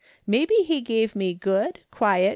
Maybe he gave me good, quiet.